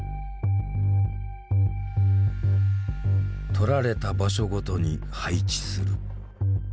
撮られた場所ごとに配置する。